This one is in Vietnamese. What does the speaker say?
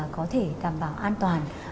có thể đảm bảo an toàn